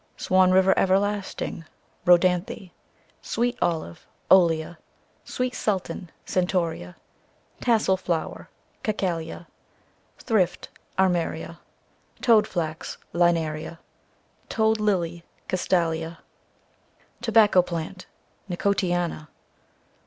Swan River Everlasting, a Rhodanthe. Sweet Olive, cc Olea. Sweet Sultan, tc Centaurea. Tassel Flower, cc Cacalia. Thrift, CC Armeria. Toad Flax, cc Linaria. Toad Lily, cc Cast alia. Tobacco Plant, cc Nicotiana.